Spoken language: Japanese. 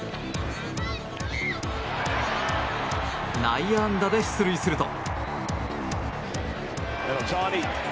内野安打で出塁すると。